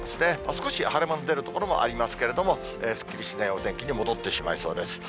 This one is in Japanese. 少し晴れ間の出る所もありますけれども、すっきりしないお天気に戻ってしまいそうです。